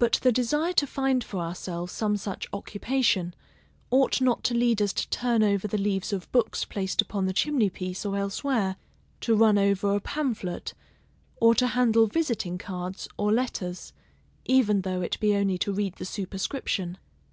But the desire to find for ourselves some such occupation, ought not to lead us to turn over the leaves of books placed upon the chimney piece or elsewhere; to run over a pamphlet; or to handle visiting cards, or letters, even though it be only to read the superscription.